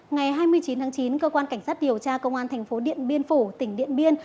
ngày hai mươi chín tháng chín cơ quan cảnh sát điều tra công an thành phố điện biên phủ tỉnh điện biên